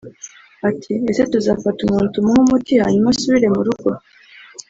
Agira ati “…ese tuzafata umuntu tumuhe umuti hanyuma asubire mu rugo